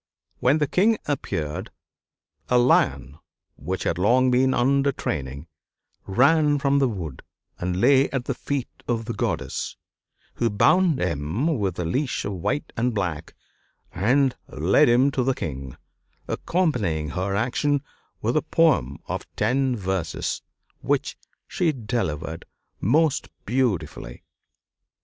When the King appeared, a lion, which had long been under training, ran from the wood and lay at the feet of the Goddess, who bound him with a leash of white and black and led him to the king, accompanying her action with a poem of ten verses, which she delivered most beautifully.